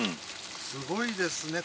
すごいですね。